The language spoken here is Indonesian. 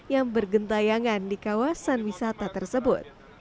yang bergentayangan di kawasan wisata tersebut